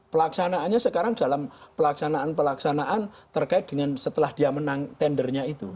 pelaksanaannya sekarang dalam pelaksanaan pelaksanaan terkait dengan setelah dia menang tendernya itu